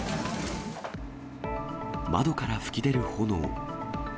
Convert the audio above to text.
窓から噴き出る炎。